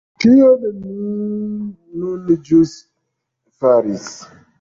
Tion mi nun ĵus faris.